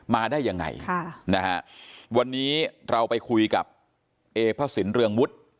มาได้ยังไงค่ะนะฮะวันนี้เราไปคุยกับเอพระสินเรืองวุฒิ